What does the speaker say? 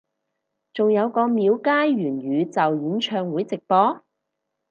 仲有個廟街元宇宙演唱會直播？